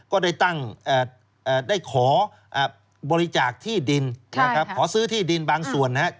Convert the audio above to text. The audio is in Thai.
ก็ได้ขอบริจาคที่ดินขอซื้อที่ดินบางส่วน